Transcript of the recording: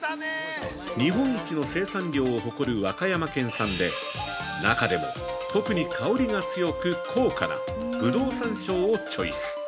日本一の生産量を誇る和歌山県産で、中でも特に香りが強く高価な「ぶどう山椒」をチョイス。